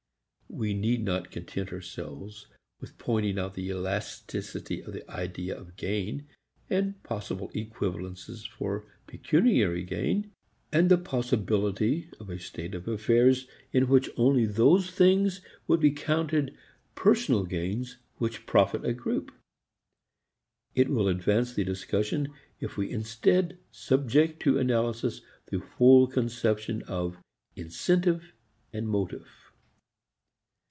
We need not content ourselves with pointing out the elasticity of the idea of gain, and possible equivalences for pecuniary gain, and the possibility of a state of affairs in which only those things would be counted personal gains which profit a group. It will advance the discussion if we instead subject to analysis the whole conception of incentive and motive.